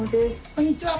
こんにちは。